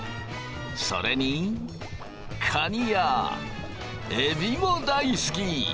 それにカニやエビも大好き。